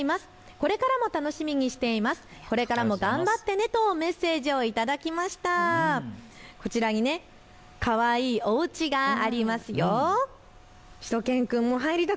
これからも頑張ってねとメッセージを頂きました。